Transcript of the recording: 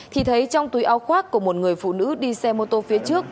thì thấy trong túi áo khoác của một người phụ nữ đi xe mô tô phía trước